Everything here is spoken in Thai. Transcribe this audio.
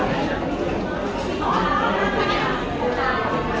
ที่เจนนี่ของกล้องนี้นะคะ